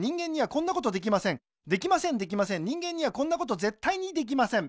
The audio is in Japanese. できませんできません人間にはこんなことぜったいにできません